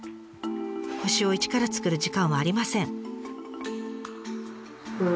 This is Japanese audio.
星を一から作る時間はありません。